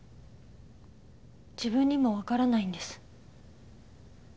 自分にもわからないんです。